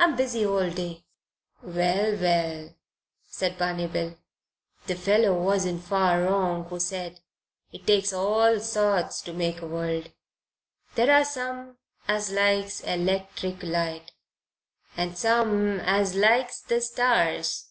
"I'm busy all day long." "Well, well," said Barney Bill, "the fellow wasn't far wrong who said it takes all sorts to make a world. There are some as likes electric light and some as likes the stars.